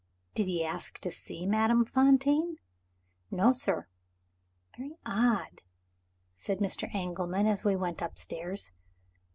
"Did he ask to see Madame Fontaine?" "No, sir." "Very odd!" said Mr. Engelman, as we went upstairs.